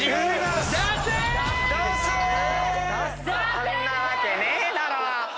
そんなわけねえだろ！